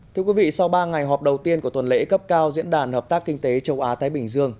thưa quý vị sau ba ngày họp đầu tiên của tuần lễ cấp cao diễn đàn hợp tác kinh tế châu á thái bình dương